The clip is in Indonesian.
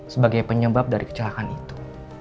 sebagai penyebab dari kecelakaan itu